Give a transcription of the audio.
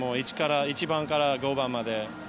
１番から５番まで。